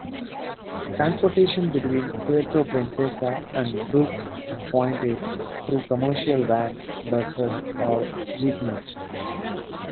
Transportation between Puerto Princesa and Brooke's Point is through commercial vans, buses or jeepneys.